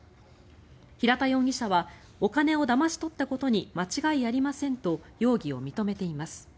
平田容疑者はお金をだまし取ったことに間違いありませんと容疑を認めています。